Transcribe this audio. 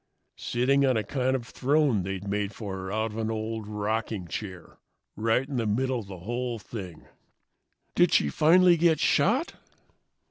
"Sitting on a kind of throne they'd made for her out of an old rocking chair. Right in the middle of the whole thing." "Did she finally get shot?"